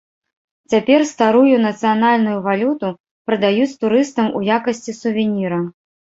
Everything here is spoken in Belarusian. Цяпер старую нацыянальную валюту прадаюць турыстам у якасці сувеніра.